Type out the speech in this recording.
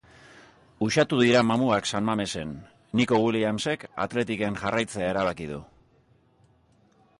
Uxatu dira mamuak San Mamesen: Nico Williamsek Athleticen jarraitzea erabaki du.